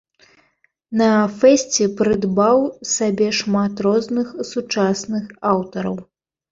На фэсце прыдбаў сабе шмат розных сучасных аўтараў.